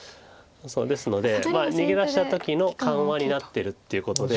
ですので逃げ出した時の緩和になってるってことで。